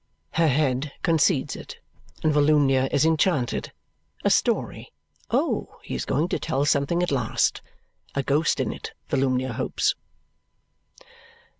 Her head concedes it, and Volumnia is enchanted. A story! Oh, he is going to tell something at last! A ghost in it, Volumnia hopes?